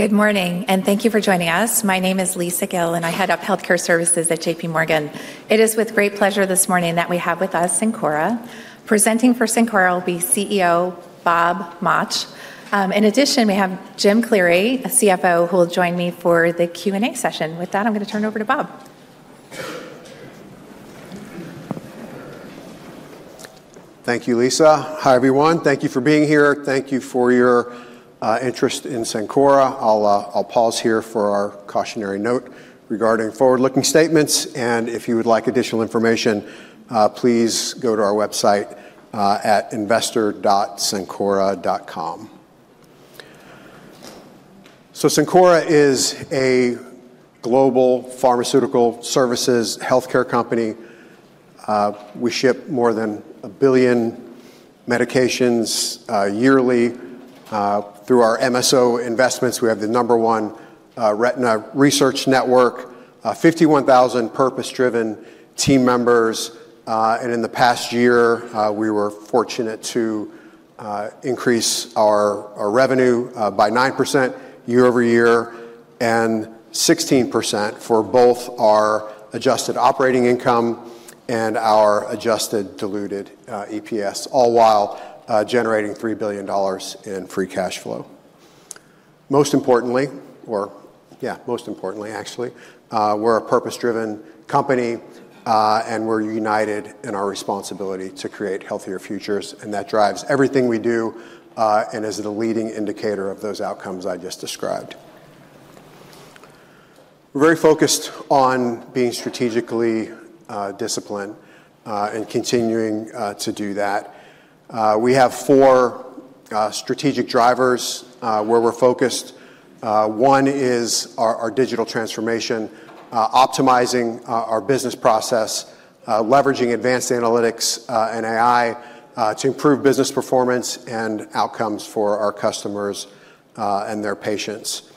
Good morning, and thank you for joining us. My name is Lisa Gill, and I head up Healthcare Services at J.P. Morgan. It is with great pleasure this morning that we have with us Cencora. Presenting for Cencora will be CEO Bob Mauch. In addition, we have Jim Cleary, a CFO, who will join me for the Q&A session. With that, I'm going to turn it over to Bob. Thank you, Lisa. Hi, everyone. Thank you for being here. Thank you for your interest in Cencora. I'll pause here for our cautionary note regarding forward-looking statements. And if you would like additional information, please go to our website at investor.cencora.com. So Cencora is a global pharmaceutical services healthcare company. We ship more than a billion medications yearly. Through our MSO investments, we have the number one Retina Research Network, 51,000 purpose-driven team members. And in the past year, we were fortunate to increase our revenue by 9% year over year and 16% for both our adjusted operating income and our adjusted diluted EPS, all while generating $3 billion in free cash flow. Most importantly, or yeah, most importantly, actually, we're a purpose-driven company, and we're united in our responsibility to create healthier futures. That drives everything we do and is the leading indicator of those outcomes I just described. We're very focused on being strategically disciplined and continuing to do that. We have four strategic drivers where we're focused. One is our digital transformation, optimizing our business process, leveraging advanced analytics and AI to improve business performance and outcomes for our customers and their patients.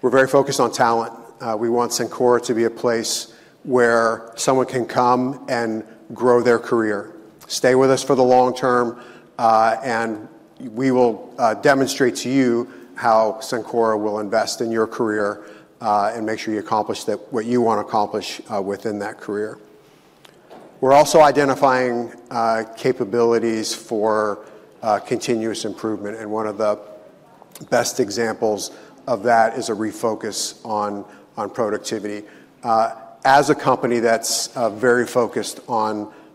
We're very focused on talent. We want Cencora to be a place where someone can come and grow their career. Stay with us for the long term, and we will demonstrate to you how Cencora will invest in your career and make sure you accomplish what you want to accomplish within that career. We're also identifying capabilities for continuous improvement. One of the best examples of that is a refocus on productivity. As a company that's very focused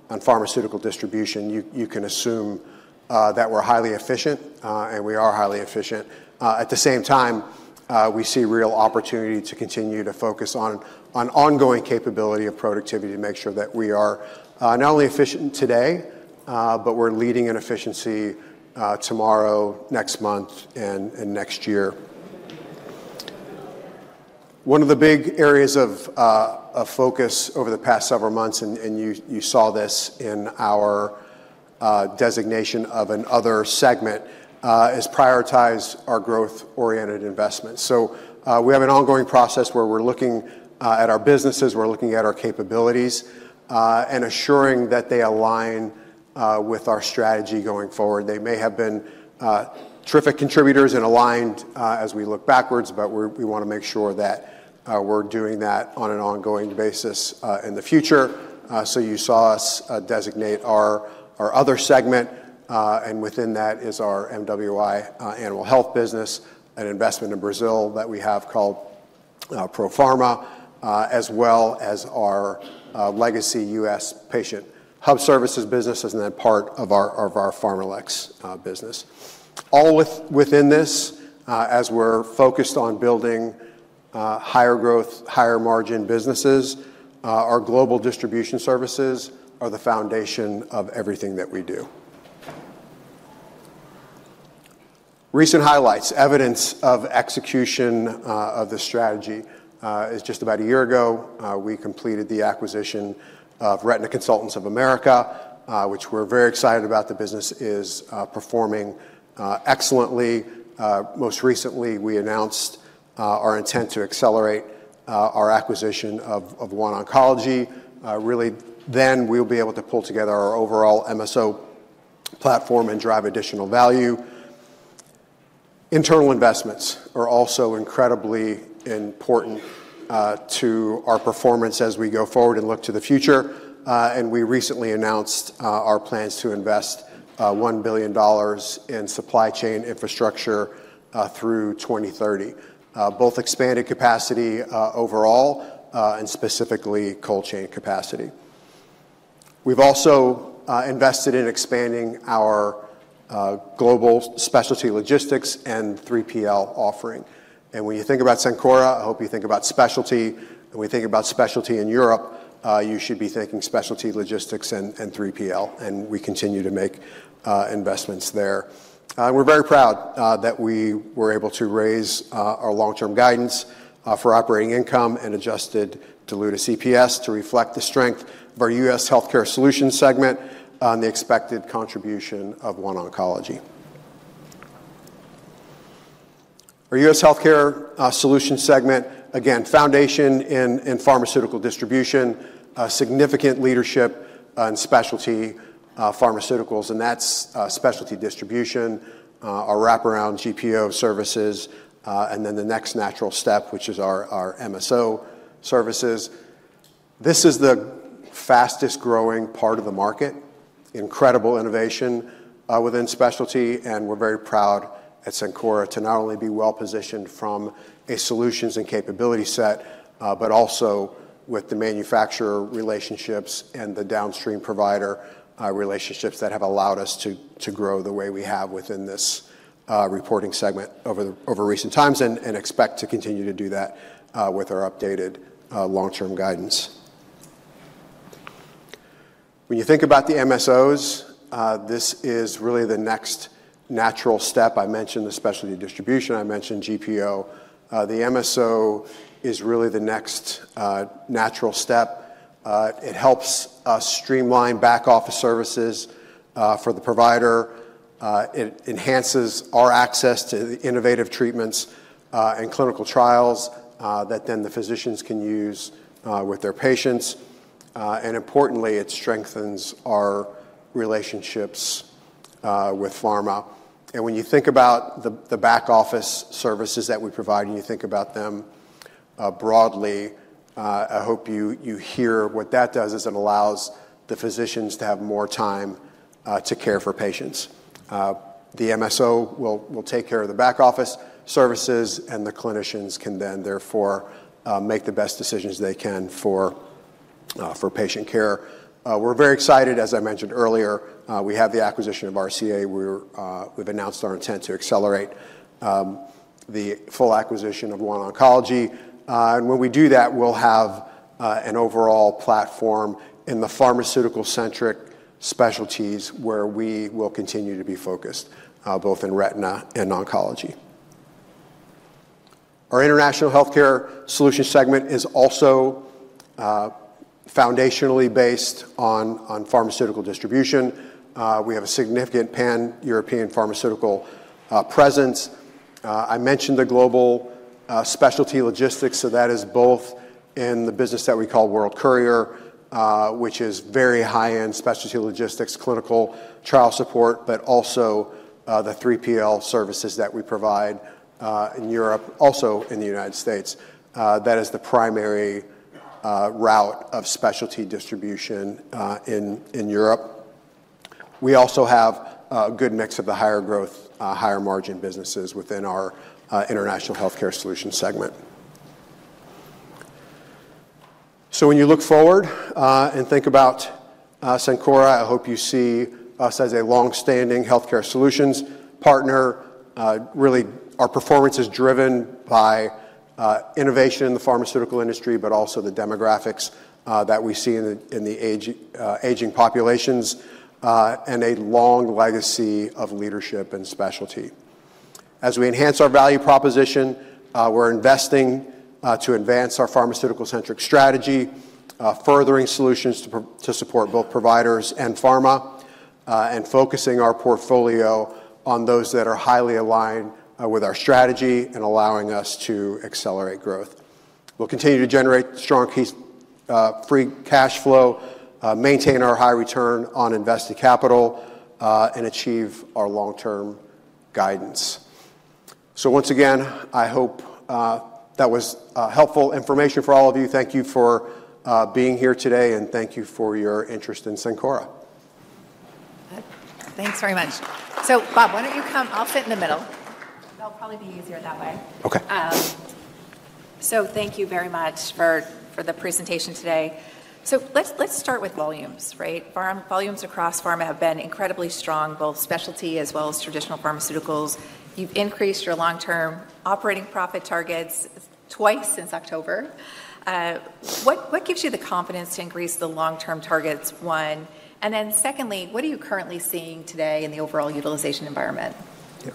on pharmaceutical distribution, you can assume that we're highly efficient, and we are highly efficient. At the same time, we see real opportunity to continue to focus on ongoing capability of productivity to make sure that we are not only efficient today, but we're leading in efficiency tomorrow, next month, and next year. One of the big areas of focus over the past several months, and you saw this in our designation of another segment, is prioritize our growth-oriented investments. So we have an ongoing process where we're looking at our businesses, we're looking at our capabilities, and assuring that they align with our strategy going forward. They may have been terrific contributors and aligned as we look backwards, but we want to make sure that we're doing that on an ongoing basis in the future. You saw us designate our other segment, and within that is our MWI Animal Health business, an investment in Brazil that we have called Profarma, as well as our legacy U.S. patient hub services business, and then part of our PharmaLex business. All within this, as we're focused on building higher growth, higher margin businesses, our global distribution services are the foundation of everything that we do. Recent highlights, evidence of execution of the strategy. Just about a year ago, we completed the acquisition of Retina Consultants of America, which we're very excited about. The business is performing excellently. Most recently, we announced our intent to accelerate our acquisition of OneOncology. Really, then we'll be able to pull together our overall MSO platform and drive additional value. Internal investments are also incredibly important to our performance as we go forward and look to the future. We recently announced our plans to invest $1 billion in supply chain infrastructure through 2030, both expanded capacity overall and specifically cold chain capacity. We've also invested in expanding our global specialty logistics and 3PL offering. When you think about Cencora, I hope you think about specialty. When we think about specialty in Europe, you should be thinking specialty logistics and 3PL. We continue to make investments there. We're very proud that we were able to raise our long-term guidance for operating income and adjusted diluted EPS to reflect the strength of our U.S. healthcare solutions segment and the expected contribution of OneOncology. Our U.S. healthcare solutions segment, again, foundation in pharmaceutical distribution, significant leadership in specialty pharmaceuticals, and that's specialty distribution, our wraparound GPO services, and then the next natural step, which is our MSO services. This is the fastest-growing part of the market, incredible innovation within specialty, and we're very proud at Cencora to not only be well-positioned from a solutions and capability set, but also with the manufacturer relationships and the downstream provider relationships that have allowed us to grow the way we have within this reporting segment over recent times and expect to continue to do that with our updated long-term guidance. When you think about the MSOs, this is really the next natural step. I mentioned the specialty distribution. I mentioned GPO. The MSO is really the next natural step. It helps us streamline back-office services for the provider. It enhances our access to innovative treatments and clinical trials that then the physicians can use with their patients, and importantly, it strengthens our relationships with pharma. And when you think about the back-office services that we provide and you think about them broadly, I hope you hear what that does is it allows the physicians to have more time to care for patients. The MSO will take care of the back-office services, and the clinicians can then therefore make the best decisions they can for patient care. We're very excited. As I mentioned earlier, we have the acquisition of RCA. We've announced our intent to accelerate the full acquisition of OneOncology. And when we do that, we'll have an overall platform in the pharmaceutical-centric specialties where we will continue to be focused both in Retina and Oncology. Our international healthcare solutions segment is also foundationally based on pharmaceutical distribution. We have a significant pan-European pharmaceutical presence. I mentioned the global specialty logistics, so that is both in the business that we call World Courier, which is very high-end specialty logistics, clinical trial support, but also the 3PL services that we provide in Europe, also in the United States. That is the primary route of specialty distribution in Europe. We also have a good mix of the higher-growth, higher-margin businesses within our international healthcare solutions segment, so when you look forward and think about Cencora, I hope you see us as a long-standing healthcare solutions partner. Really, our performance is driven by innovation in the pharmaceutical industry, but also the demographics that we see in the aging populations and a long legacy of leadership and specialty. As we enhance our value proposition, we're investing to advance our pharmaceutical-centric strategy, furthering solutions to support both providers and pharma, and focusing our portfolio on those that are highly aligned with our strategy and allowing us to accelerate growth. We'll continue to generate strong free cash flow, maintain our high return on invested capital, and achieve our long-term guidance. So once again, I hope that was helpful information for all of you. Thank you for being here today, and thank you for your interest in Cencora. Thanks very much. So Bob, why don't you come? I'll sit in the middle. That'll probably be easier that way. Okay. So thank you very much for the presentation today. So let's start with volumes, right? Volumes across pharma have been incredibly strong, both specialty as well as traditional pharmaceuticals. You've increased your long-term operating profit targets twice since October. What gives you the confidence to increase the long-term targets, one? And then secondly, what are you currently seeing today in the overall utilization environment? Yeah.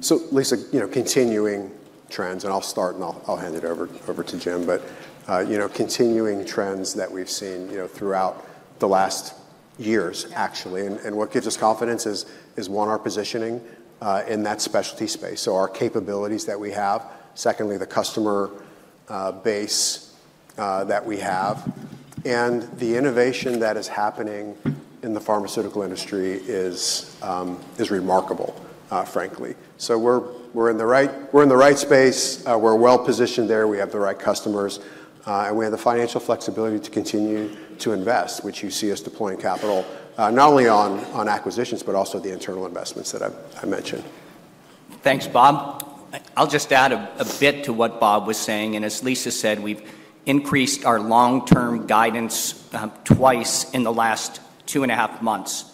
So, Lisa, continuing trends, and I'll start and I'll hand it over to Jim, but continuing trends that we've seen throughout the last years, actually. And what gives us confidence is, one, our positioning in that specialty space, so our capabilities that we have. Secondly, the customer base that we have. And the innovation that is happening in the pharmaceutical industry is remarkable, frankly. So we're in the right space. We're well-positioned there. We have the right customers. And we have the financial flexibility to continue to invest, which you see us deploying capital, not only on acquisitions, but also the internal investments that I mentioned. Thanks, Bob. I'll just add a bit to what Bob was saying. And as Lisa said, we've increased our long-term guidance twice in the last two and a half months.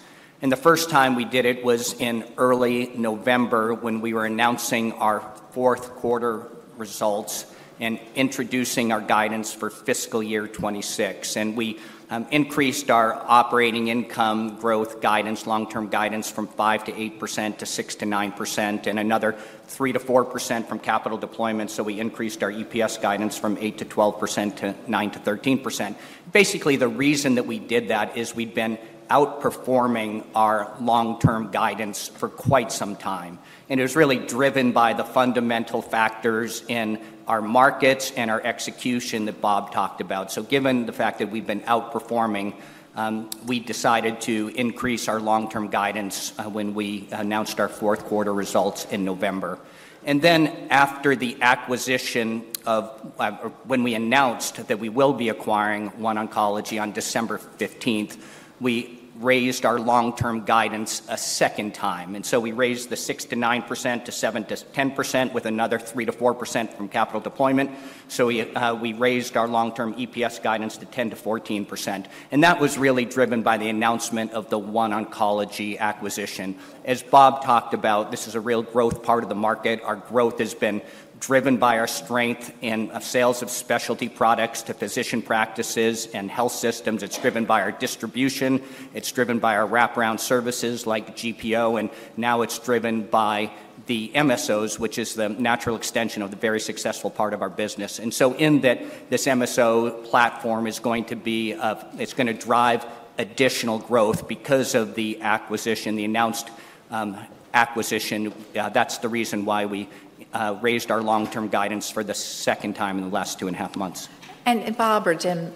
And the first time we did it was in early November when we were announcing our fourth quarter results and introducing our guidance for fiscal year 2026. And we increased our operating income growth guidance, long-term guidance from 5%-8% to 6%-9%, and another 3%-4% from capital deployment. So we increased our EPS guidance from 8%-12% to 9%-13%. Basically, the reason that we did that is we'd been outperforming our long-term guidance for quite some time. And it was really driven by the fundamental factors in our markets and our execution that Bob talked about. Given the fact that we've been outperforming, we decided to increase our long-term guidance when we announced our fourth quarter results in November. Then, after the acquisition, when we announced that we will be acquiring OneOncology on December 15th, we raised our long-term guidance a second time. We raised the 6%-9% to 7%-10% with another 3%-4% from capital deployment. We raised our long-term EPS guidance to 10%-14%. That was really driven by the announcement of the OneOncology acquisition. As Bob talked about, this is a real growth part of the market. Our growth has been driven by our strength in sales of specialty products to physician practices and health systems. It's driven by our distribution. It's driven by our wraparound services like GPO. And now it's driven by the MSOs, which is the natural extension of the very successful part of our business. And so in that, this MSO platform i s going to drive additional growth because of the acquisition, the announced acquisition. That's the reason why we raised our long-term guidance for the second time in the last two and a half months. Bob or Jim,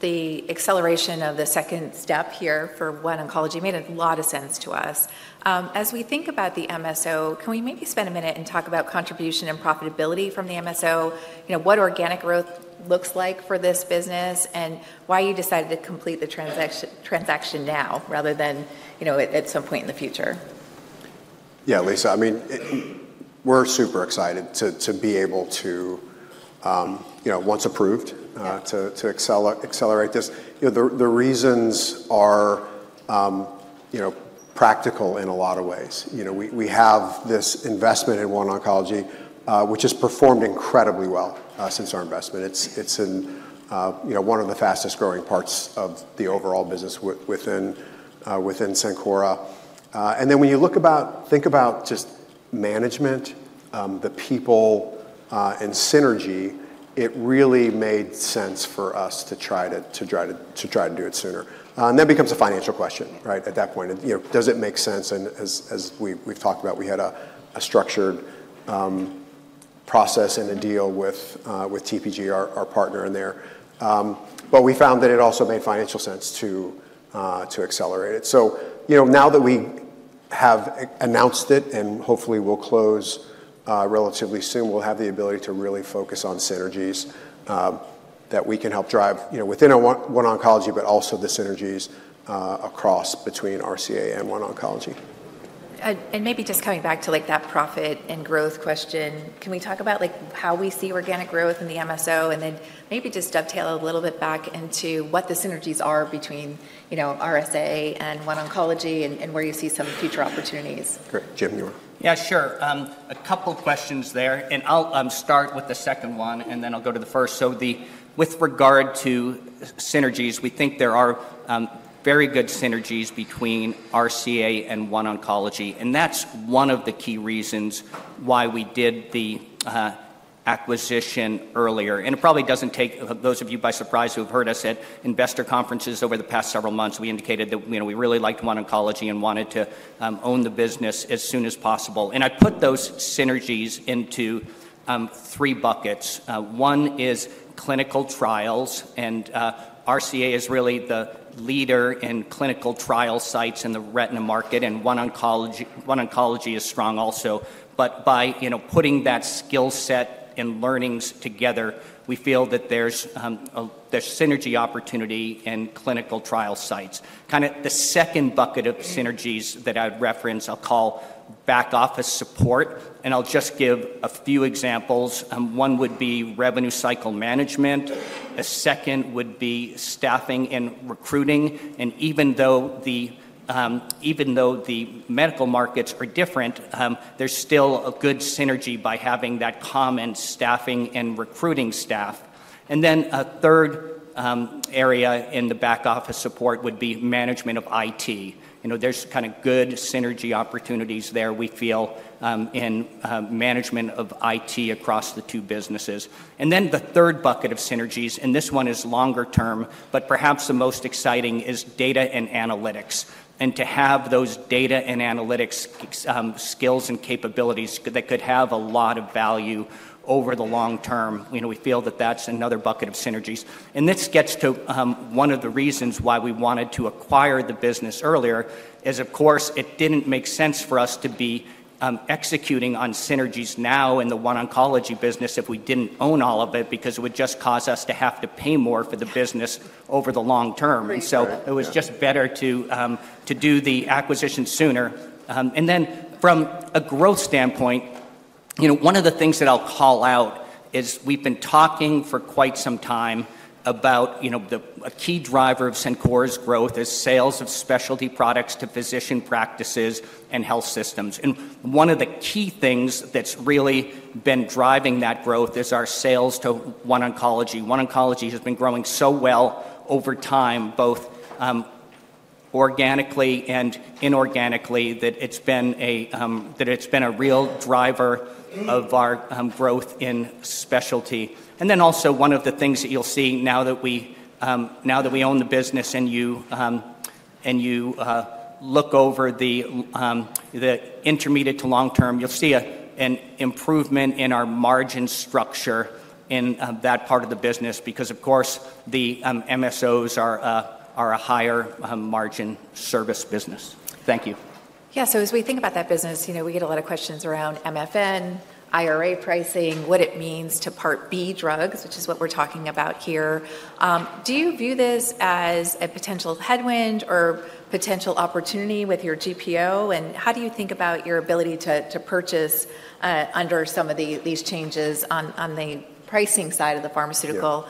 the acceleration of the second step here for OneOncology made a lot of sense to us. As we think about the MSO, can we maybe spend a minute and talk about contribution and profitability from the MSO? What organic growth looks like for this business and why you decided to complete the transaction now rather than at some point in the future? Yeah, Lisa, I mean, we're super excited to be able to, once approved, to accelerate this. The reasons are practical in a lot of ways. We have this investment in OneOncology, which has performed incredibly well since our investment. It's in one of the fastest-growing parts of the overall business within Cencora. And then when you think about just management, the people, and synergy, it really made sense for us to try to do it sooner. And that becomes a financial question, right, at that point. Does it make sense? And as we've talked about, we had a structured process and a deal with TPG, our partner in there. But we found that it also made financial sense to accelerate it. So now that we have announced it and hopefully will close relatively soon, we'll have the ability to really focus on synergies that we can help drive within OneOncology, but also the synergies across between RCA and OneOncology. And maybe just coming back to that profit and growth question, can we talk about how we see organic growth in the MSO and then maybe just dovetail a little bit back into what the synergies are between RCA and OneOncology and where you see some future opportunities? Great. Jim, you're up. Yeah, sure. A couple of questions there. And I'll start with the second one, and then I'll go to the first. So with regard to synergies, we think there are very good synergies between RCA and OneOncology. And that's one of the key reasons why we did the acquisition earlier. And it probably doesn't take those of you by surprise who have heard us at investor conferences over the past several months. We indicated that we really liked OneOncology and wanted to own the business as soon as possible. And I put those synergies into three buckets. One is clinical trials. And RCA is really the leader in clinical trial sites in the retina market. And OneOncology is strong also. But by putting that skill set and learnings together, we feel that there's synergy opportunity in clinical trial sites. Kind of the second bucket of synergies that I'd reference, I'll call back-office support. And I'll just give a few examples. One would be revenue cycle management. A second would be staffing and recruiting. And even though the medical markets are different, there's still a good synergy by having that common staffing and recruiting staff. And then a third area in the back-office support would be management of IT. There's kind of good synergy opportunities there, we feel, in management of IT across the two businesses. And then the third bucket of synergies, and this one is longer term, but perhaps the most exciting is data and analytics. And to have those data and analytics skills and capabilities that could have a lot of value over the long term, we feel that that's another bucket of synergies. And this gets to one of the reasons why we wanted to acquire the business earlier is, of course, it didn't make sense for us to be executing on synergies now in the OneOncology business if we didn't own all of it because it would just cause us to have to pay more for the business over the long term. And so it was just better to do the acquisition sooner. And then from a growth standpoint, one of the things that I'll call out is we've been talking for quite some time about a key driver of Cencora's growth is sales of specialty products to physician practices and health systems. And one of the key things that's really been driving that growth is our sales to OneOncology. OneOncology has been growing so well over time, both organically and inorganically, that it's been a real driver of our growth in specialty. And then also one of the things that you'll see now that we own the business and you look over the intermediate to long term, you'll see an improvement in our margin structure in that part of the business because, of course, the MSOs are a higher margin service business. Thank you. Yeah. So as we think about that business, we get a lot of questions around MFN, IRA pricing, what it means to Part B drugs, which is what we're talking about here. Do you view this as a potential headwind or potential opportunity with your GPO? And how do you think about your ability to purchase under some of these changes on the pricing side of the pharmaceutical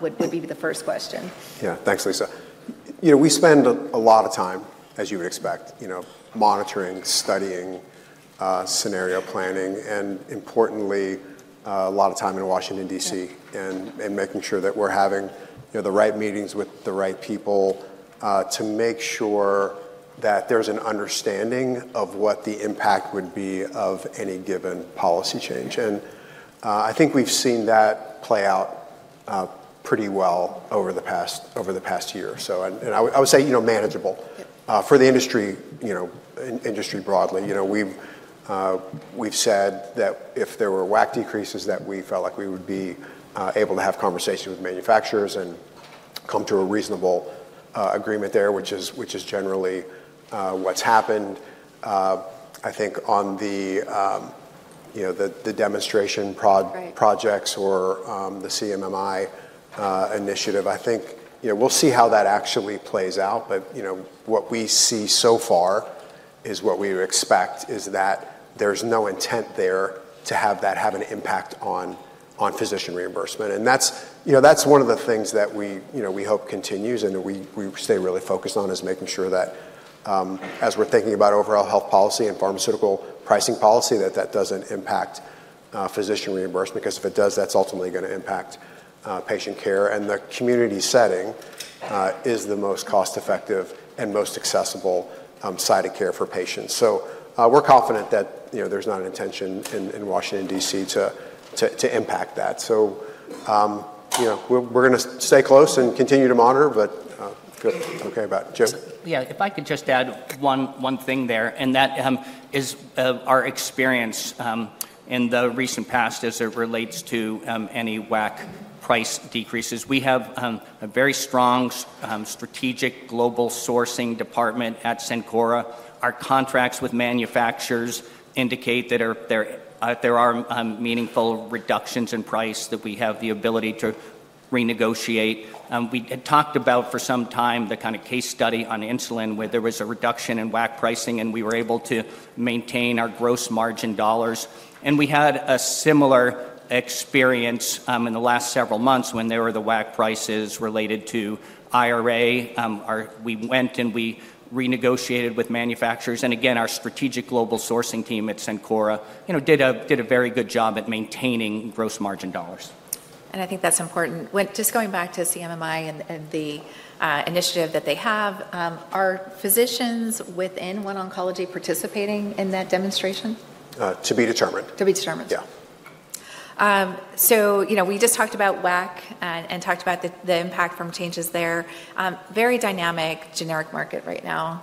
would be the first question. Yeah. Thanks, Lisa. We spend a lot of time, as you would expect, monitoring, studying, scenario planning, and importantly, a lot of time in Washington, D.C., and making sure that we're having the right meetings with the right people to make sure that there's an understanding of what the impact would be of any given policy change, and I think we've seen that play out pretty well over the past year, so I would say manageable. For the industry broadly, we've said that if there were WAC decreases that we felt like we would be able to have conversations with manufacturers and come to a reasonable agreement there, which is generally what's happened. I think on the demonstration projects or the CMMI initiative, I think we'll see how that actually plays out. But what we see so far is what we expect is that there's no intent there to have an impact on physician reimbursement. That's one of the things that we hope continues and we stay really focused on is making sure that as we're thinking about overall health policy and pharmaceutical pricing policy, that doesn't impact physician reimbursement because if it does, that's ultimately going to impact patient care. The community setting is the most cost-effective and most accessible side of care for patients. We're confident that there's not an intention in Washington, D.C. to impact that. We're going to stay close and continue to monitor, but feel okay about it. Jim? Yeah. If I could just add one thing there, and that is our experience in the recent past as it relates to any WAC price decreases. We have a very strong strategic global sourcing department at Cencora. Our contracts with manufacturers indicate that there are meaningful reductions in price that we have the ability to renegotiate. We had talked about for some time the kind of case study on insulin where there was a reduction in WAC pricing, and we were able to maintain our gross margin dollars. And we had a similar experience in the last several months when there were the WAC prices related to IRA. We went and we renegotiated with manufacturers. And again, our strategic global sourcing team at Cencora did a very good job at maintaining gross margin dollars. I think that's important. Just going back to CMMI and the initiative that they have, are physicians within OneOncology participating in that demonstration? To be determined. To be determined. Yeah. So we just talked about WAC and talked about the impact from changes there. Very dynamic generic market right now.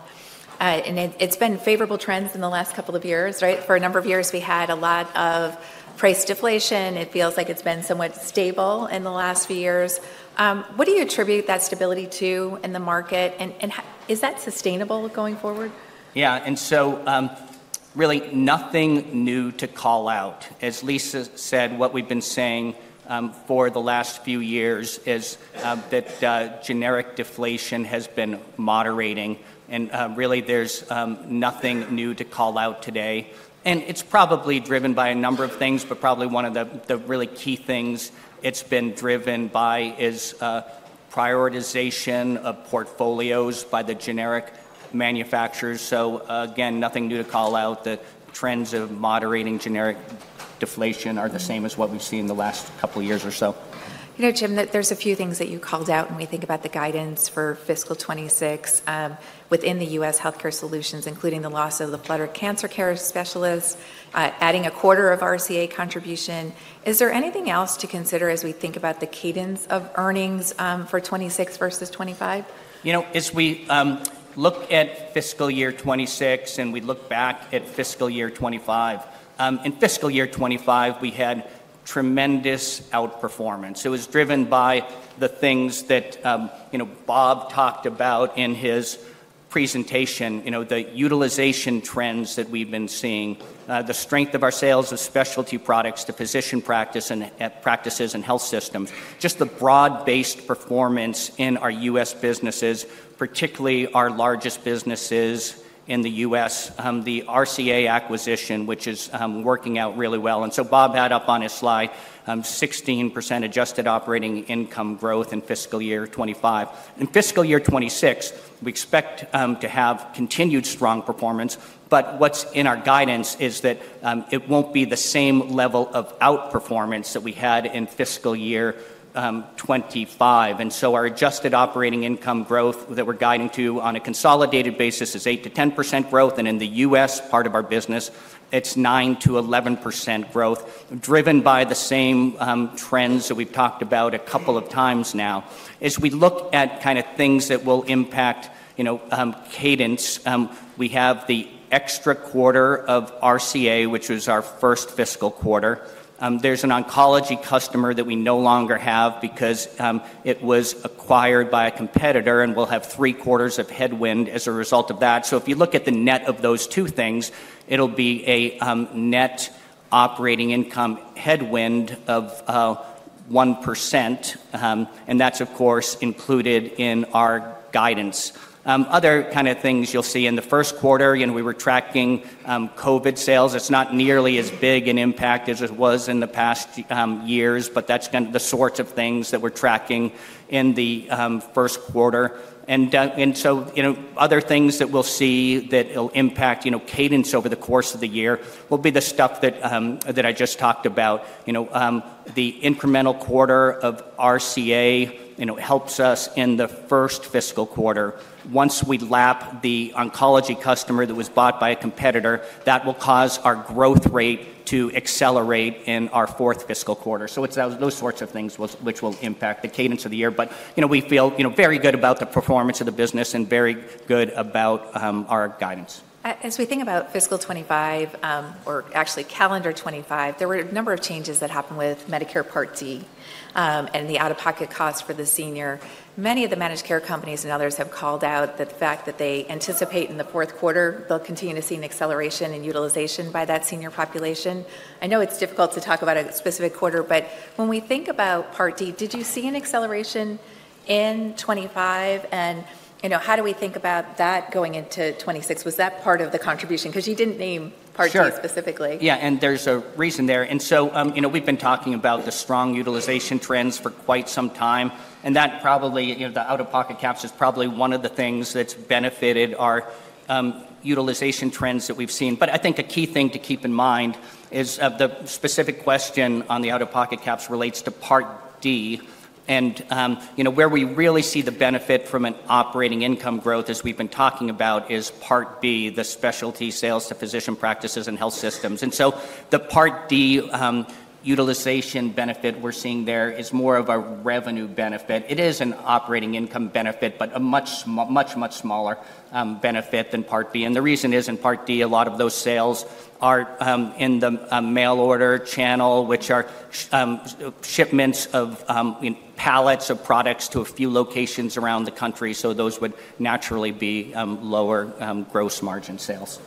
And it's been favorable trends in the last couple of years, right? For a number of years, we had a lot of price deflation. It feels like it's been somewhat stable in the last few years. What do you attribute that stability to in the market? And is that sustainable going forward? Yeah, and so really nothing new to call out. As Lisa said, what we've been saying for the last few years is that generic deflation has been moderating, and really, there's nothing new to call out today, and it's probably driven by a number of things, but probably one of the really key things it's been driven by is prioritization of portfolios by the generic manufacturers, so again, nothing new to call out. The trends of moderating generic deflation are the same as what we've seen in the last couple of years or so. Jim, there's a few things that you called out when we think about the guidance for fiscal 26 within the US Healthcare Solutions, including the loss of the Florida Cancer Specialists & Research Institute, adding a quarter of RCA contribution. Is there anything else to consider as we think about the cadence of earnings for 26 versus 25? As we look at fiscal year 26 and we look back at fiscal year 25, in fiscal year 25, we had tremendous outperformance. It was driven by the things that Bob talked about in his presentation, the utilization trends that we've been seeing, the strength of our sales of specialty products to physician practices and health systems, just the broad-based performance in our U.S. businesses, particularly our largest businesses in the U.S., the RCA acquisition, which is working out really well. And so Bob had up on his slide 16% adjusted operating income growth in fiscal year 25. In fiscal year 26, we expect to have continued strong performance. But what's in our guidance is that it won't be the same level of outperformance that we had in fiscal year 25. And so our adjusted operating income growth that we're guiding to on a consolidated basis is 8%-10% growth. And in the U.S. part of our business, it's 9%-11% growth, driven by the same trends that we've talked about a couple of times now. As we look at kind of things that will impact cadence, we have the extra quarter of RCA, which was our first fiscal quarter. There's an oncology customer that we no longer have because it was acquired by a competitor, and we'll have three quarters of headwind as a result of that. So if you look at the net of those two things, it'll be a net operating income headwind of 1%. And that's, of course, included in our guidance. Other kind of things you'll see in the first quarter, we were tracking COVID sales. It's not nearly as big an impact as it was in the past years, but that's kind of the sorts of things that we're tracking in the first quarter, and so other things that we'll see that will impact cadence over the course of the year will be the stuff that I just talked about. The incremental quarter of RCA helps us in the first fiscal quarter. Once we lap the oncology customer that was bought by a competitor, that will cause our growth rate to accelerate in our fourth fiscal quarter, so it's those sorts of things which will impact the cadence of the year, but we feel very good about the performance of the business and very good about our guidance. As we think about fiscal 2025, or actually calendar 2025, there were a number of changes that happened with Medicare Part D and the out-of-pocket costs for the senior. Many of the managed care companies and others have called out the fact that they anticipate in the fourth quarter, they'll continue to see an acceleration in utilization by that senior population. I know it's difficult to talk about a specific quarter, but when we think about Part D, did you see an acceleration in 2025? And how do we think about that going into 2026? Was that part of the contribution? Because you didn't name Part D specifically. Sure. Yeah. And there's a reason there. And so we've been talking about the strong utilization trends for quite some time. And that probably, the out-of-pocket caps is probably one of the things that's benefited our utilization trends that we've seen. But I think a key thing to keep in mind is the specific question on the out-of-pocket caps relates to Part D. And where we really see the benefit from an operating income growth, as we've been talking about, is Part B, the specialty sales to physician practices and health systems. And so the Part D utilization benefit we're seeing there is more of a revenue benefit. It is an operating income benefit, but a much, much, much smaller benefit than Part B. And the reason is in Part D, a lot of those sales are in the mail order channel, which are shipments of pallets of products to a few locations around the country. So those would naturally be lower gross margin sales.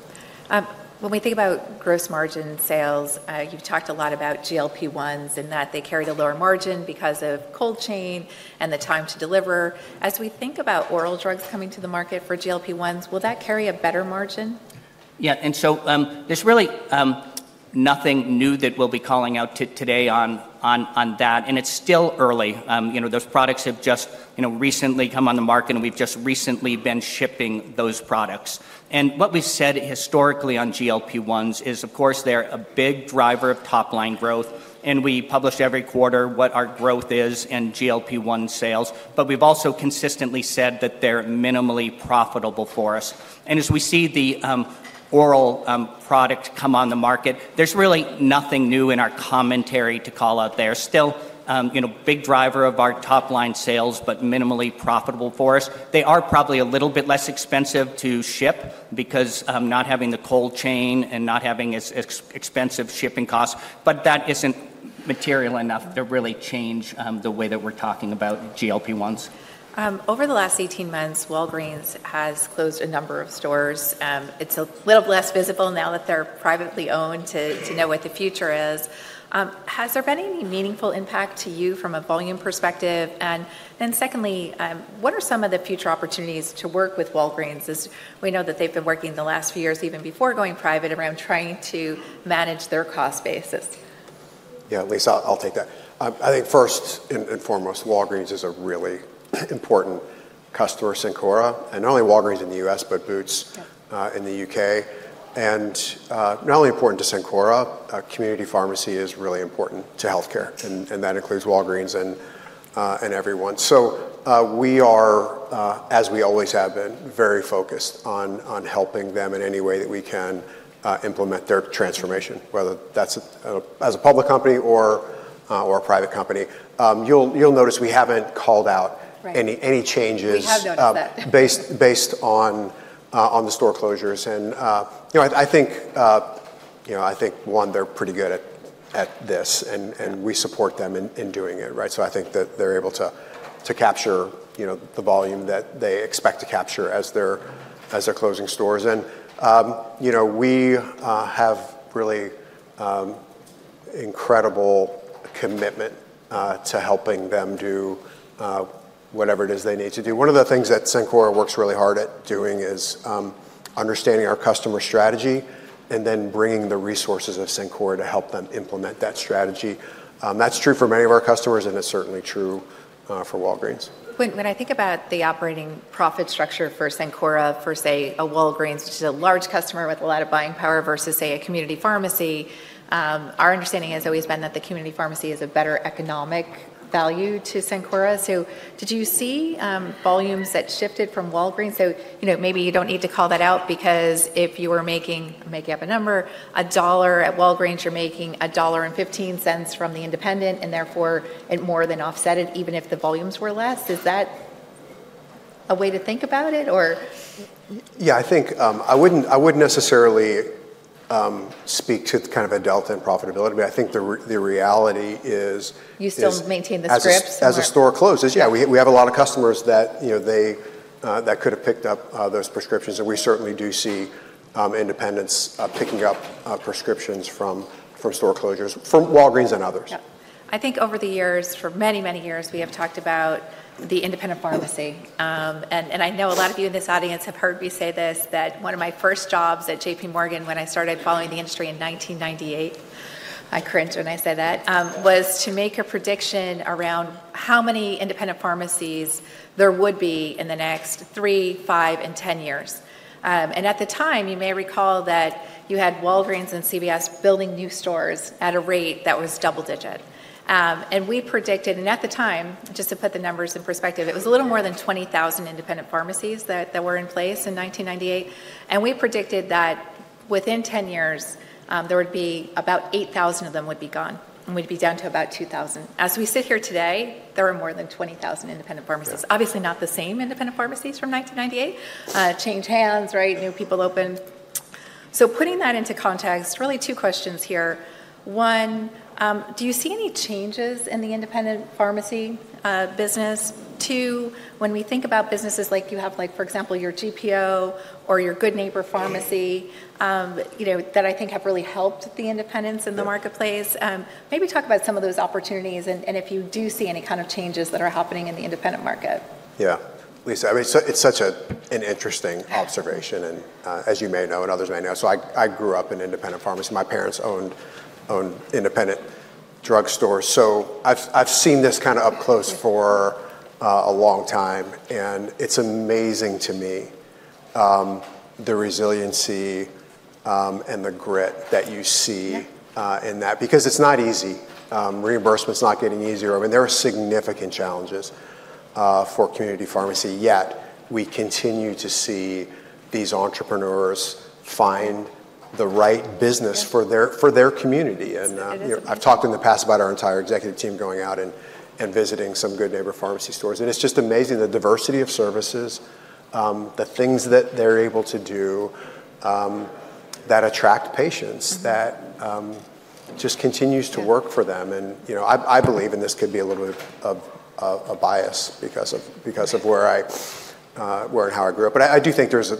When we think about gross margin sales, you've talked a lot about GLP-1s and that they carry the lower margin because of cold chain and the time to deliver. As we think about oral drugs coming to the market for GLP-1s, will that carry a better margin? Yeah. And so there's really nothing new that we'll be calling out today on that. And it's still early. Those products have just recently come on the market, and we've just recently been shipping those products. And what we've said historically on GLP-1s is, of course, they're a big driver of top-line growth. And we publish every quarter what our growth is in GLP-1 sales. But we've also consistently said that they're minimally profitable for us. And as we see the oral product come on the market, there's really nothing new in our commentary to call out there. Still, big driver of our top-line sales, but minimally profitable for us. They are probably a little bit less expensive to ship because not having the cold chain and not having as expensive shipping costs. But that isn't material enough to really change the way that we're talking about GLP-1s. Over the last 18 months, Walgreens has closed a number of stores. It's a little less visible now that they're privately owned to know what the future is. Has there been any meaningful impact to you from a volume perspective? And then secondly, what are some of the future opportunities to work with Walgreens? We know that they've been working the last few years, even before going private, around trying to manage their cost basis. Yeah. Lisa, I'll take that. I think first and foremost, Walgreens is a really important customer of Cencora, and not only Walgreens in the U.S., but Boots in the U.K. And not only important to Cencora, community pharmacy is really important to healthcare, and that includes Walgreens and everyone, so we are, as we always have been, very focused on helping them in any way that we can implement their transformation, whether that's as a public company or a private company. You'll notice we haven't called out any changes. We have noticed that. Based on the store closures, and I think one, they're pretty good at this, and we support them in doing it, right. So I think that they're able to capture the volume that they expect to capture as they're closing stores. And we have really incredible commitment to helping them do whatever it is they need to do. One of the things that Cencora works really hard at doing is understanding our customer strategy and then bringing the resources of Cencora to help them implement that strategy. That's true for many of our customers, and it's certainly true for Walgreens. When I think about the operating profit structure for Cencora, for say, a Walgreens, which is a large customer with a lot of buying power versus, say, a community pharmacy, our understanding has always been that the community pharmacy is a better economic value to Cencora. So did you see volumes that shifted from Walgreens? So maybe you don't need to call that out because if you were making, I'm making up a number, $1 at Walgreens, you're making $1.15 from the independent, and therefore it more than offset it, even if the volumes were less. Is that a way to think about it, or? Yeah. I think I wouldn't necessarily speak to kind of a delta in profitability, but I think the reality is. You still maintain the scripts. As a store closes, yeah, we have a lot of customers that could have picked up those prescriptions, and we certainly do see independents picking up prescriptions from store closures from Walgreens and others. Yeah. I think over the years, for many, many years, we have talked about the independent pharmacy. I know a lot of you in this audience have heard me say this, that one of my first jobs at J.P. Morgan when I started following the industry in 1998, I cringe when I say that, was to make a prediction around how many independent pharmacies there would be in the next three, five, and ten years. At the time, you may recall that you had Walgreens and CVS building new stores at a rate that was double-digit. We predicted, and at the time, just to put the numbers in perspective, it was a little more than 20,000 independent pharmacies that were in place in 1998. We predicted that within ten years, there would be about 8,000 of them would be gone, and we'd be down to about 2,000. As we sit here today, there are more than 20,000 independent pharmacies. Obviously, not the same independent pharmacies from 1998. Change hands, right? New people open. Putting that into context, really two questions here. One, do you see any changes in the independent pharmacy business? Two, when we think about businesses like you have, for example, your GPO or your Good Neighbor Pharmacy that I think have really helped the independents in the marketplace, maybe talk about some of those opportunities and if you do see any kind of changes that are happening in the independent market. Yeah. Lisa, I mean, it's such an interesting observation, and as you may know and others may know, so I grew up in independent pharmacy. My parents owned independent drug stores. So I've seen this kind of up close for a long time, and it's amazing to me, the resiliency and the grit that you see in that because it's not easy. Reimbursement's not getting easier. I mean, there are significant challenges for community pharmacy. Yet we continue to see these entrepreneurs find the right business for their community, and I've talked in the past about our entire executive team going out and visiting some Good Neighbor Pharmacy stores, and it's just amazing the diversity of services, the things that they're able to do that attract patients that just continues to work for them. I believe, and this could be a little bit of a bias because of where I and how I grew up, but I do think there's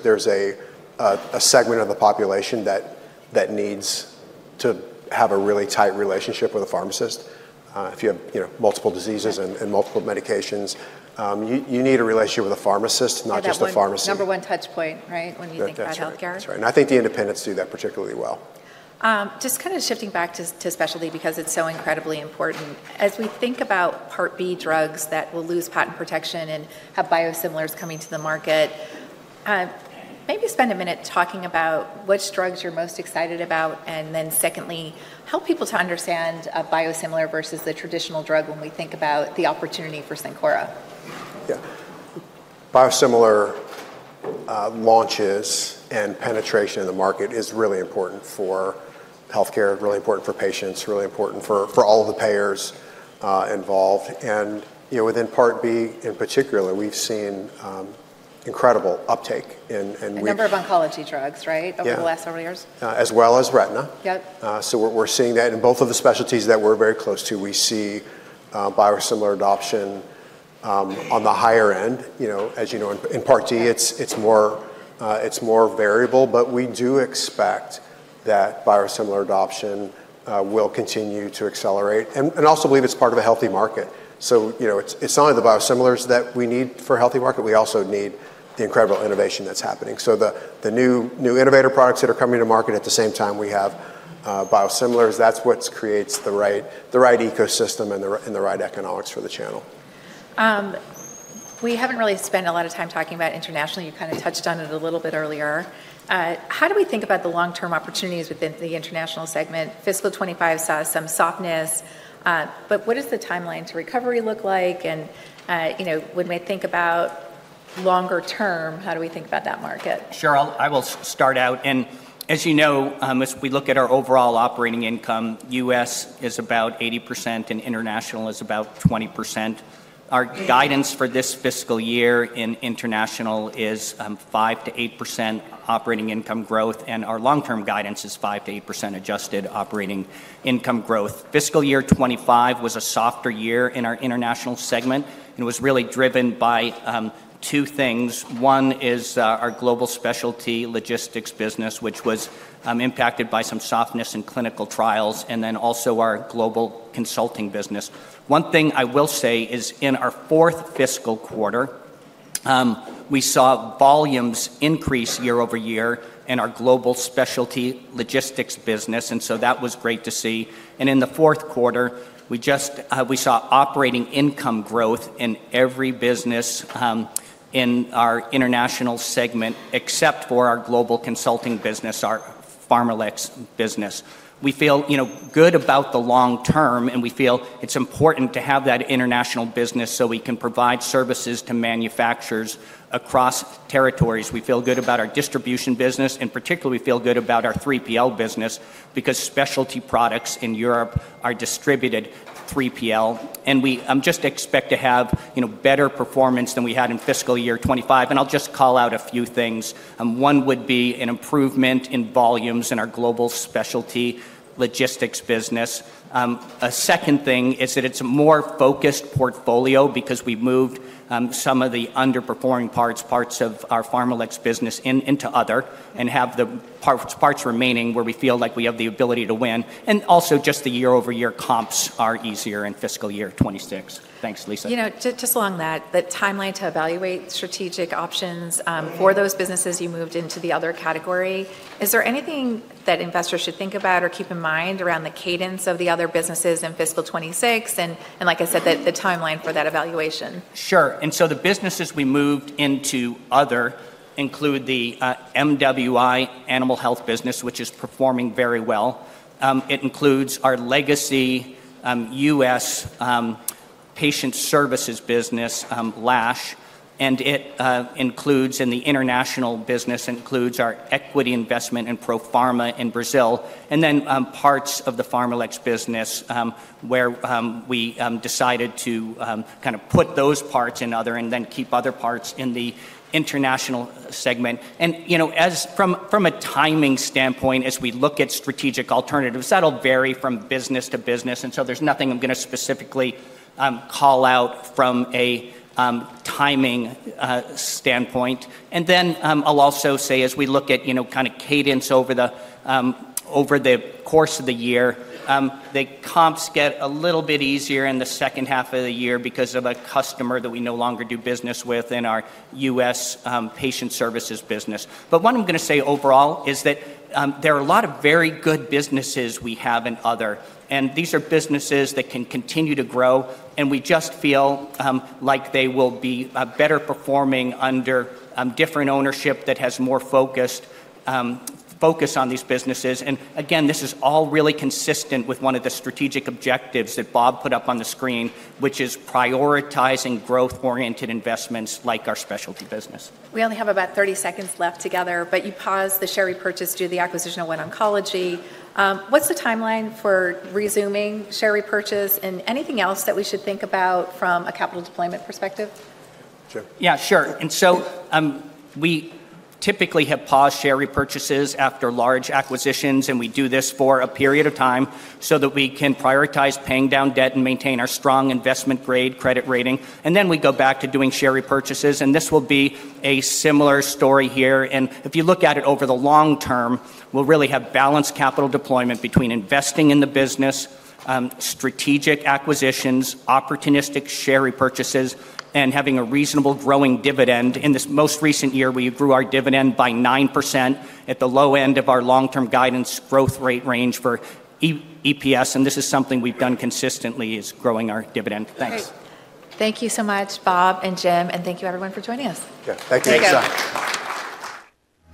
a segment of the population that needs to have a really tight relationship with a pharmacist. If you have multiple diseases and multiple medications, you need a relationship with a pharmacist, not just a pharmacy. That's the number one touchpoint, right, when you think about healthcare. That's right, and I think the independents do that particularly well. Just kind of shifting back to specialty because it's so incredibly important. As we think about Part B drugs that will lose patent protection and have biosimilars coming to the market, maybe spend a minute talking about which drugs you're most excited about. And then secondly, help people to understand a biosimilar versus the traditional drug when we think about the opportunity for Cencora. Yeah. Biosimilar launches and penetration in the market is really important for healthcare, really important for patients, really important for all of the payers involved. And within Part B in particular, we've seen incredible uptake in. The number of oncology drugs, right, over the last several years? Yeah. As well as retina. So we're seeing that in both of the specialties that we're very close to. We see biosimilar adoption on the higher end. As you know, in Part D, it's more variable. But we do expect that biosimilar adoption will continue to accelerate. And I also believe it's part of a healthy market. So it's not only the biosimilars that we need for a healthy market, we also need the incredible innovation that's happening. So the new innovator products that are coming to market, at the same time we have biosimilars, that's what creates the right ecosystem and the right economics for the channel. We haven't really spent a lot of time talking about international. You kind of touched on it a little bit earlier. How do we think about the long-term opportunities within the international segment? Fiscal 2025 saw some softness. But what does the timeline to recovery look like? And when we think about longer term, how do we think about that market? Sure. I will start out. As you know, as we look at our overall operating income, U.S. is about 80% and international is about 20%. Our guidance for this fiscal year in international is 5%-8% operating income growth. Our long-term guidance is 5%-8% adjusted operating income growth. Fiscal year 2025 was a softer year in our international segment. It was really driven by two things. One is our global specialty logistics business, which was impacted by some softness in clinical trials, and then also our global consulting business. One thing I will say is in our fourth fiscal quarter, we saw volumes increase year over year in our global specialty logistics business. That was great to see. In the fourth quarter, we saw operating income growth in every business in our international segment, except for our global consulting business, our PharmaLex business. We feel good about the long term, and we feel it's important to have that international business so we can provide services to manufacturers across territories. We feel good about our distribution business. And particularly, we feel good about our 3PL business because specialty products in Europe are distributed 3PL. And I just expect to have better performance than we had in fiscal year 2025. And I'll just call out a few things. One would be an improvement in volumes in our global specialty logistics business. A second thing is that it's a more focused portfolio because we've moved some of the underperforming parts of our PharmaLex business into other, and have the parts remaining where we feel like we have the ability to win. Also just the year-over-year comps are easier in fiscal year 2026. Thanks, Lisa. Just along that, the timeline to evaluate strategic options for those businesses you moved into the other category, is there anything that investors should think about or keep in mind around the cadence of the other businesses in fiscal 2026? And like I said, the timeline for that evaluation. Sure. And so the businesses we moved into other include the MWI Animal Health business, which is performing very well. It includes our legacy U.S. patient services business, Lash. And it includes in the international business, it includes our equity investment in Profarma in Brazil. And then parts of the PharmaLex business where we decided to kind of put those parts in other and then keep other parts in the international segment. And from a timing standpoint, as we look at strategic alternatives, that'll vary from business to business. And so there's nothing I'm going to specifically call out from a timing standpoint. And then I'll also say as we look at kind of cadence over the course of the year, the comps get a little bit easier in the second half of the year because of a customer that we no longer do business with in our U.S. patient services business. But what I'm going to say overall is that there are a lot of very good businesses we have in other. And these are businesses that can continue to grow. And we just feel like they will be better performing under different ownership that has more focus on these businesses. And again, this is all really consistent with one of the strategic objectives that Bob put up on the screen, which is prioritizing growth-oriented investments like our specialty business. We only have about 30 seconds left together, but you paused the share repurchase due to the acquisition of OneOncology. What's the timeline for resuming share repurchase and anything else that we should think about from a capital deployment perspective? Sure. Yeah, sure. And so we typically have paused share repurchases after large acquisitions. And we do this for a period of time so that we can prioritize paying down debt and maintain our strong investment-grade credit rating. And then we go back to doing share repurchases. And this will be a similar story here. And if you look at it over the long term, we'll really have balanced capital deployment between investing in the business, strategic acquisitions, opportunistic share repurchases, and having a reasonable growing dividend. In this most recent year, we grew our dividend by 9% at the low end of our long-term guidance growth rate range for EPS. And this is something we've done consistently is growing our dividend. Thanks. Great. Thank you so much, Bob and Jim. Thank you, everyone, for joining us. Yeah. Thank you. Thanks.